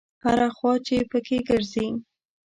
هره خوا چې په کې ګرځې.